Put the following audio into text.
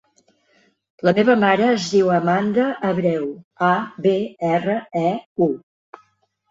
La meva mare es diu Amanda Abreu: a, be, erra, e, u.